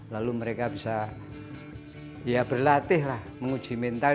lalu mereka bisa ya berlatih lah menguji mental